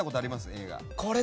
映画。